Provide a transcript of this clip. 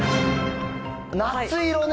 夏色ね。